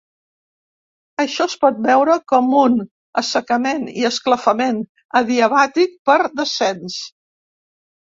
Això es pot veure com un assecament i esclafament adiabàtic per descens.